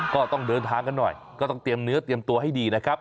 ก็ต้องเดินทางกันหน่อยก็ต้องเตรียมเนื้อเตรียมตัวให้ดีนะครับ